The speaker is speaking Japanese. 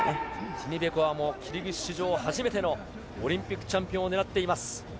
ティニベコワも、初めてのオリンピックチャンピオンを狙っています。